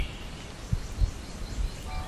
اقتصاد پوهنځۍ سمدستي نه لغوه کیږي.